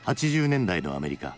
８０年代のアメリカ。